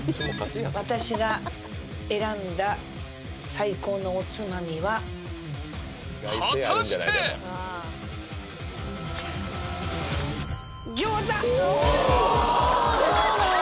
私が選んだ最高のおつまみは果たして⁉餃子！